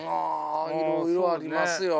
あいろいろありますよ。